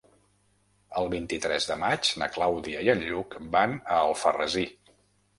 El vint-i-tres de maig na Clàudia i en Lluc van a Alfarrasí.